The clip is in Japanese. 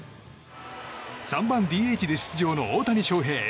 ３番ＤＨで出場の大谷翔平。